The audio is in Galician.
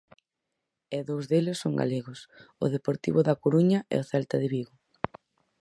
E dous deles son galegos: o Deportivo da Coruña e o Celta de Vigo.